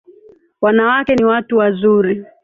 Wanawake ni watu wazuri.